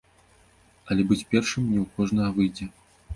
Але быць першым не ў кожнага выйдзе.